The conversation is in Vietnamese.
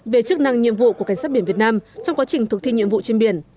về chức năng nhiệm vụ của cảnh sát biển việt nam trong quá trình thực thi nhiệm vụ trên biển